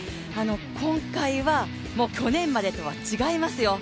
今回は去年までとは違いますよ。